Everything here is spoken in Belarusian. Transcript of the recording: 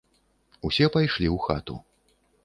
Усе пайшлі ў хату.